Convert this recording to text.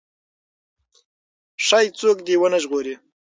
ښايي څوک دې ونه ژغوري.